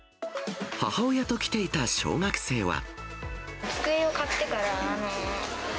母親と来ていた小学生は。